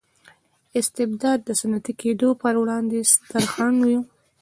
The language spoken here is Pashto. استبداد د صنعتي کېدو پروړاندې ستر خنډ و.